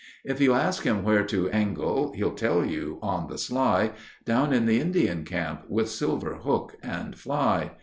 If you ask him where to angle—he'll tell you—on the sly Down in the Indian Camp—with silver hook and fly.